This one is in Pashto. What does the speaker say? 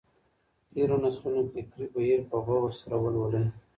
د تېرو نسلونو فکري بهير په غور سره ولولئ.